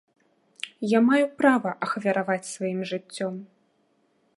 Я маю права ахвяраваць сваім жыццём.